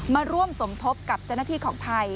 มาร่วมสมทบกับเจ้าหน้าที่ของไทย